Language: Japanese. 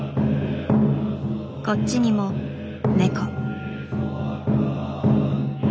こっちにもネコ。